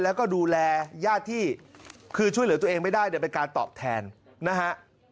แล้วก็ดูแลญาติที่คือช่วยเหลือตัวเองไม่ได้เนี่ยเป็นการตอบแทนนะฮะ